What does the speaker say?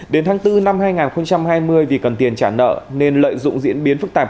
đến tháng bốn năm hai nghìn hai mươi vì cần tiền trả nợ nên lợi dụng diễn biến phức tạp